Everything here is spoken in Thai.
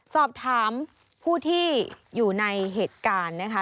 สอบถามผู้ที่อยู่ในเหตุการณ์นะคะ